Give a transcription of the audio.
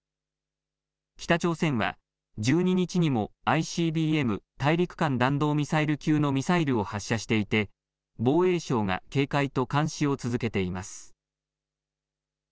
北朝鮮は１２日にもＩＣＢＭ・大陸間弾道ミサイル級のミサイルを発射していて防衛省が警戒と監視を続けています。